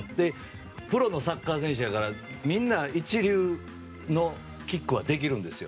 プロのサッカー選手やからみんな一流のキックはできるんですよ。